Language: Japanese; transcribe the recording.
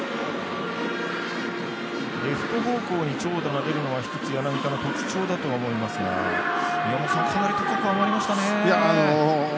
レフト方向に長打が出るのは一つ柳田の特徴だとは思いますがかなり高く上がりましたね。